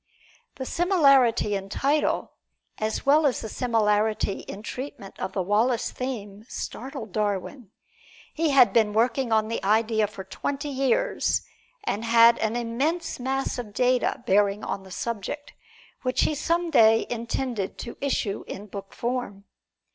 The similarity in title, as well as the similarity in treatment of the Wallace theme, startled Darwin. He had been working on the idea for twenty years, and had an immense mass of data bearing on the subject, which he some day intended to issue in book form.